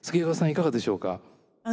いかがでしょうか？